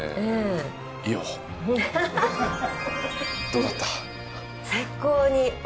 伊代どうだった？